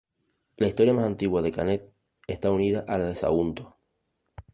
La historia más antigua de Canet está unida a la de Sagunto.